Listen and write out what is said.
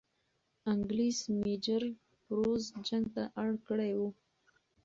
انګلیس میجر بروز جنگ ته اړ کړی وو.